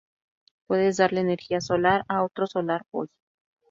Puedes darle energía solar a otro Solar Boy.